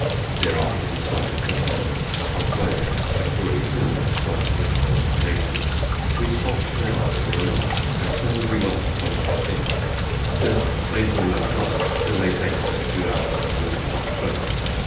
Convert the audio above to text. Thereafter we started for town. Halfway, at Kapuri falls (one of the most dangerous), we swamped down over a rock, and so we lost some of our things; still saved all our plants, though they lay for a few hours under water with the boat.